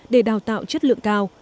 để đào tạo chất lượng cao